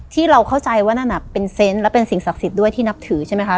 ที่เราเข้าใจว่านั่นเป็นเซนต์และเป็นสิ่งศักดิ์สิทธิ์ด้วยที่นับถือใช่ไหมคะ